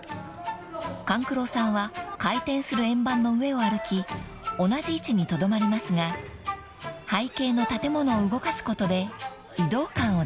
［勘九郎さんは回転する円盤の上を歩き同じ位置にとどまりますが背景の建物を動かすことで移動感を出すのです］